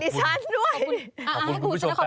มีกลิ่นหอมกว่า